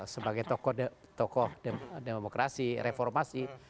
sebagai tokoh demokrasi reformasi